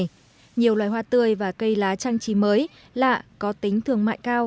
nhiều loài hoa tươi và cây lá trang trí mới lạ có tính thương mại cao